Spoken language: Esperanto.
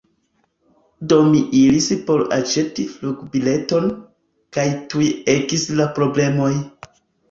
Do mi iris por aĉeti flugbileton, kaj tuj ekis la problemoj.